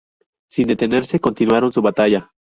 Sin detenerse, continuaron su batalla.